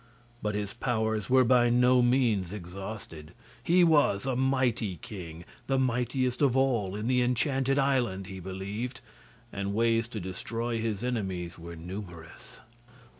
But his powers were by no means exhausted. He was a mighty king the mightiest of all in the Enchanted Island, he believed and ways to destroy his enemies were numerous.